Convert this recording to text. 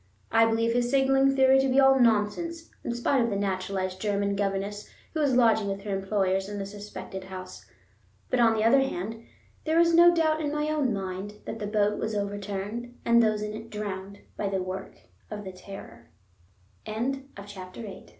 I believe his signaling theory to be all nonsense, in spite of the naturalized German governess who was lodging with her employers in the suspected house. But, on the other hand, there is no doubt in my own mind that the boat was overturned and those in it drowned by the wor